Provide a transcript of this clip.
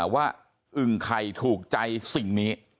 อึ่งไข่ถูกใจสิ่งนี้